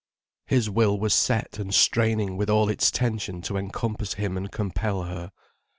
His will was set and straining with all its tension to encompass him and compel her.